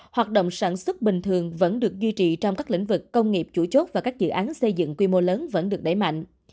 hoạt động sản xuất bình thường vẫn được duy trì trong các lĩnh vực công nghiệp chủ chốt và các dự án xây dựng quy mô lớn vẫn được đẩy mạnh